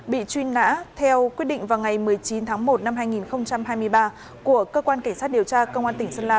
bị truy nã theo quyết định vào ngày một mươi chín tháng một năm hai nghìn hai mươi ba của cơ quan cảnh sát điều tra công an tỉnh sơn la